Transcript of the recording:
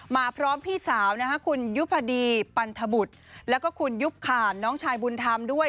มาพร้อมพี่สาวคุณยุพดีปันทบุตรแล้วก็คุณยุบข่านน้องชายบุญธรรมด้วย